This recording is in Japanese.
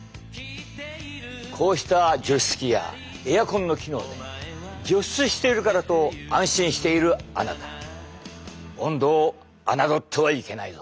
こうした除湿機やエアコンの機能で除湿しているからと安心しているあなた温度を侮ってはいけないぞ。